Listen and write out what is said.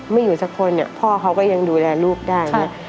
ไม่อยู่แสกคนอะพ่อเขาก็ยังดูแลลูกได้